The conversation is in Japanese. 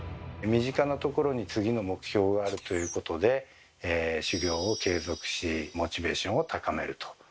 身近なところに次の目標があるということで修行を継続しモチベーションを高めると。